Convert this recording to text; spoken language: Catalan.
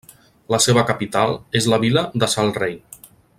La seva capital és la vila de Sal Rei.